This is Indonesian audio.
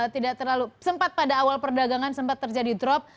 tidak terlalu sempat pada awal perdagangan sempat terjadi drop